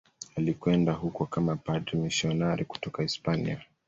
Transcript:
Alikwenda huko kama padri mmisionari kutoka Hispania.